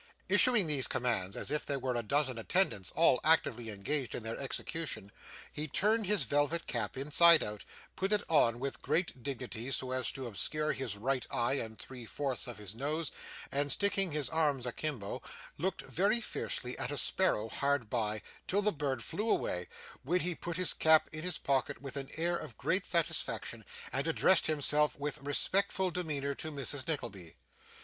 Issuing these commands, as if there were a dozen attendants all actively engaged in their execution, he turned his velvet cap inside out, put it on with great dignity so as to obscure his right eye and three fourths of his nose, and sticking his arms a kimbo, looked very fiercely at a sparrow hard by, till the bird flew away, when he put his cap in his pocket with an air of great satisfaction, and addressed himself with respectful demeanour to Mrs. Nickleby.